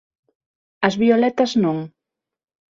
As violetas non?